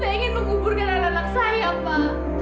saya ingin menguburkan anak anak saya pak